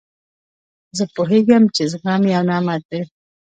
زه پوهېږم، چي زغم یو نعمت دئ.